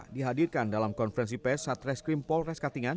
dihadirkan dalam konferensi pes saat reskrim polres katingan